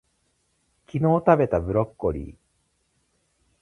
昨日たべたブロッコリー